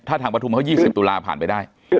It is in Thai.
ถ้าทางประทุมเขา๒๐ตุลาผ่านไปได้